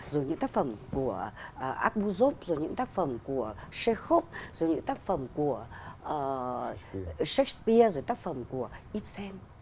rồi những tác phẩm của akh buzov rồi những tác phẩm của chekhov rồi những tác phẩm của shakespeare rồi những tác phẩm của ibsen